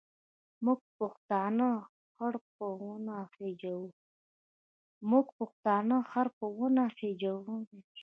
موږ پښتانه خر په ونه خېزوو.